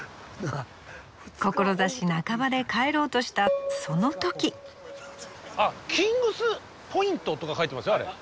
志半ばで帰ろうとしたあっキングスポイントとか書いてますよあれ。